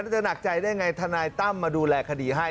แต่จะหนักใจได้อย่างไรถ้านายตั้มมาดูแลคดีให้